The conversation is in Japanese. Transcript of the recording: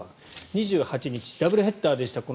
２８日、この時ダブルヘッダーでした。